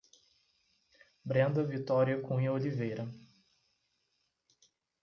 Brenda Vitoria Cunha Oliveira